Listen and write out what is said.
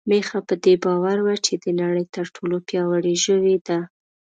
میښه په دې باور وه چې د نړۍ تر ټولو پياوړې ژوی ده.